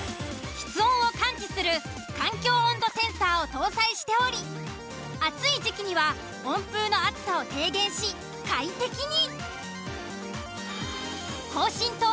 室温を感知する環境温度センサーを搭載しており暑い時期には温風の熱さを軽減し快適に。